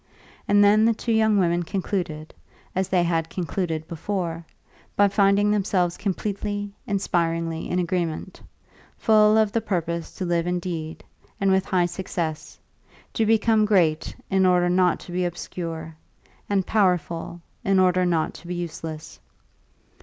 And then the two young women concluded, as they had concluded before, by finding themselves completely, inspiringly in agreement, full of the purpose to live indeed, and with high success; to become great, in order not to be obscure, and powerful, in order not to be useless.